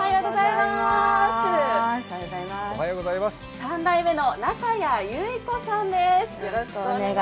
３代目の中矢有伊子さんです。